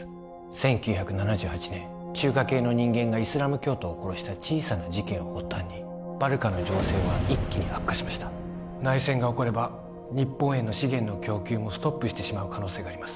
１９７８年中華系の人間がイスラム教徒を殺した小さな事件を発端にバルカの情勢は一気に悪化しました内戦が起これば日本への資源の供給もストップしてしまう可能性があります